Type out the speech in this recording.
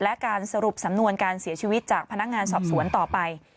และการสรุปสำนวนการเสียชีวิตจากพนักงานสอบสวนต่อไป